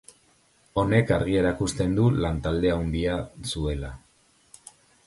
Honek argi erakusten du lantalde handia zuela.